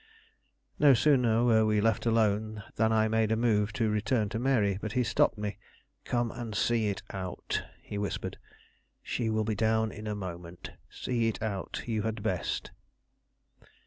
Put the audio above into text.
No sooner were we left alone than I made a move to return to Mary, but he stopped me. "Come and see it out," he whispered. "She will be down in a moment; see it out; you had best."